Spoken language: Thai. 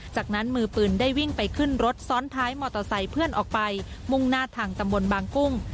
จากนั้นมือปืนได้วิ่งไปขึ้นรถซ้อนท้ายมอเตอร์ไซค์เพื่อนออกไปมุ่งหน้าทางตำบลบางกุ้ง